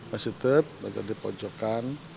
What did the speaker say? masjid tetap berada di pojokan